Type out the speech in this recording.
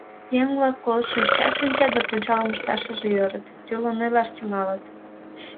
Еҥ-влак колышт шинчат-шинчат да пунчалым ышташыже ӧрыт, тӱрлын ойлаш тӱҥалыт.